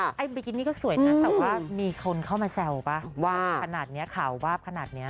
ไอ้บิกินี่ก็สวยนะแต่ว่ามีคนเข้ามาแซวป่ะวาบขนาดนี้ข่าววาบขนาดนี้